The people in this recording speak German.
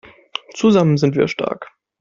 Zusammen sind wir stark!